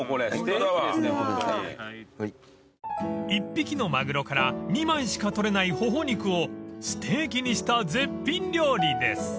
［１匹のマグロから２枚しか取れない頬肉をステーキにした絶品料理です］